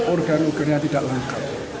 organ organnya tidak lengkap